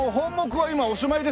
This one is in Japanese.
はい。